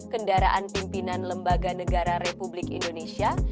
kendaraan pimpinan lembaga negara republik indonesia